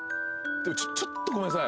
でも、ちょっとごめんなさい。